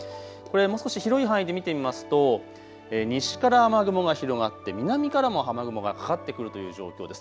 もう少し、広い範囲で見てみますと西から雨雲が広がって南からも雨雲がかかってくるという状況です。